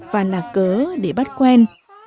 và là cớ để bắt quen